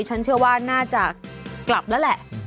ฉันเชื่อว่าน่าจะกลับแล้วแหละ